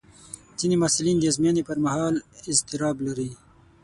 ځینې محصلین د ازموینې پر مهال اضطراب لري.